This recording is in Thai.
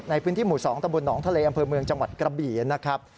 ในพื้นที่หมู่๒ตะบลหนองทะเลอำเภอเมืองจังหวัดกระบี่นะครับ